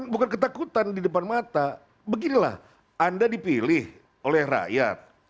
bukan ketakutan di depan mata beginilah anda dipilih oleh rakyat